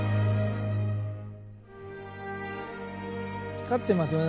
光ってますよね